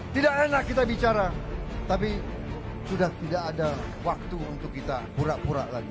tidak enak kita bicara tapi sudah tidak ada waktu untuk kita pura pura lagi